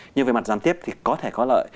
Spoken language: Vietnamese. nhưng về mặt gián tiếp thì có thể có lợi